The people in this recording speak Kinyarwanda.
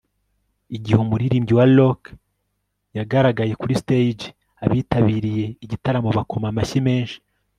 Igihe umuririmbyi wa rock yagaragaye kuri stage abitabiriye igitaramo bakoma amashyi menshi